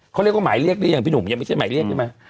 เขาเรียกว่าหมายเรียกหรือยังพี่หนุ่มยังไม่ใช่หมายเรียกได้ไหม